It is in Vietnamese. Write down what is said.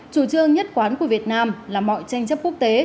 chủ trương nhất quán của việt nam là mọi tranh chấp quốc tế